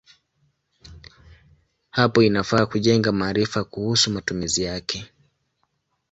Hapo inafaa kujenga maarifa kuhusu matumizi yake.